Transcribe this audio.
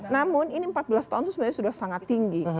namun ini empat belas tahun itu sebenarnya sudah sangat tinggi